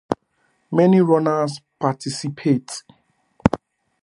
Many runners participate.